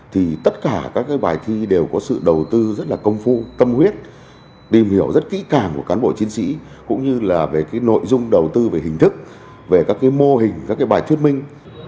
thì tất cả các bài thi đều có sự đầu tư rất là công phu tâm huyết tìm hiểu rất kỹ càng của cán bộ chiến sĩ cũng như là về cái nội dung đầu tư về hình thức về các cái mô hình các cái bài thuyết minh